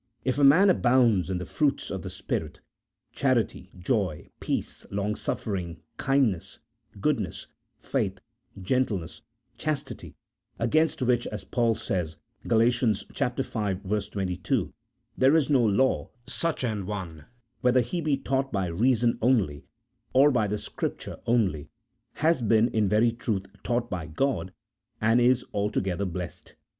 If a man abounds in the fruits of the Spirit, charity, joy, peace, long suffering, kindness, goodness, faith, gentleness, chastity, against which, as Paul says (Gal. v. 22), there is no law, such an one, whether he be taught by reason only or by the Scripture only, has been in very truth taught by God, and is altogether blessed.